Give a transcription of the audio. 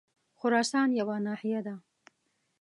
خراسان یوه ناحیه ده.